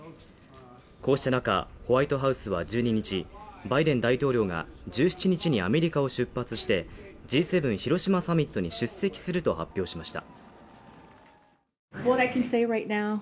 こうした中、ホワイトハウスは１２日、バイデン大統領が１７日にアメリカを出発して、Ｇ７広島サミットに出席すると発表しました。